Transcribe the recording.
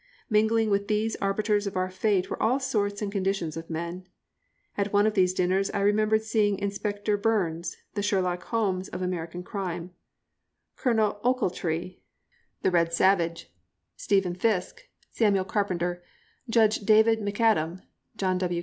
Mingling with these arbiters of our fate were all sorts and conditions of men. At one of these dinners I remember seeing Inspector Byrnes, the Sherlock Holmes of American crime, Colonel Ochiltree, the red savage, Steven Fiske, Samuel Carpenter, Judge David McAdam, John W.